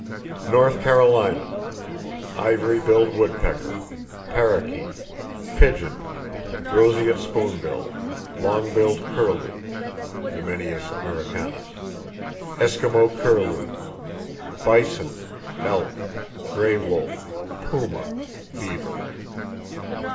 North Carolina: Ivory billed woodpecker, parrakeet, pigeon, roseate spoonbill, long billed curlew (Numenius americanus), Eskimo curlew; bison, elk, gray wolf, puma, beaver.